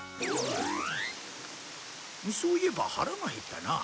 そういえば腹が減ったな。